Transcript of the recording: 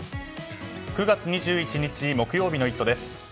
９月２１日、木曜日の「イット！」です。